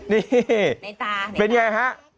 นี่เป็นอย่างไรฮะ